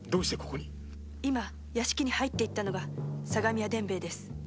今屋敷へ入ったのが相模屋伝兵ヱです。